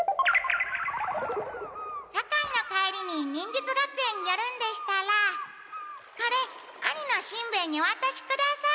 堺の帰りに忍術学園によるんでしたらこれ兄のしんべヱにおわたしください。